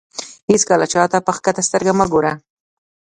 هېڅکله چاته په کښته سترګه مه ګوره.